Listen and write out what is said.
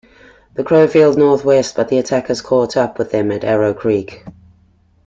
The Crow fled northwest, but the attackers caught up with them at Arrow Creek.